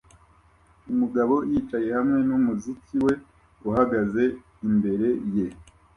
Umugabo yicaye hamwe numuziki we uhagaze imbere ye